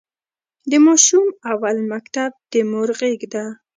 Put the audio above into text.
د ماشوم اول مکتب د مور غېږ ده.